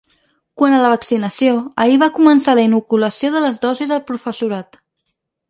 Quant a la vaccinació, ahir va començar la inoculació de les dosis al professorat.